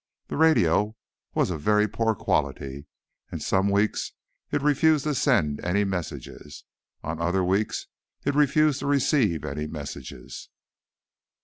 The radio was of very poor quality, and some weeks it refused to send any messages. On other weeks, it refused to receive any messages."